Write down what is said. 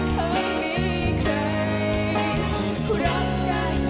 อยากมองงามกัน